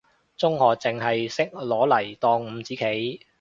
中學淨係識攞嚟當五子棋，